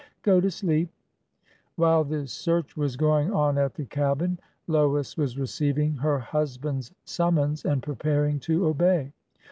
Go to sleep." While this search was going on at the cabin, Lois was receiving her husband's summons and preparing to obey.